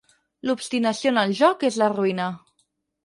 «l'obstinació en el joc és la ruïna».